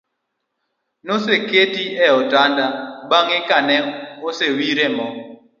Naseko noketi e otanda bang'e ka ne osewire mo